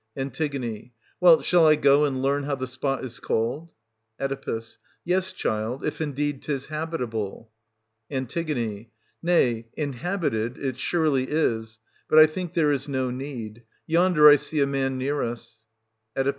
An. Well, shall I go and learn how the spot is called } Oe. Yes, child, — if indeed 'tis habitable. An. Nay, inhabited it surely is ;— but I think there is no need ;— yonder I see a man near us. 30 Oe.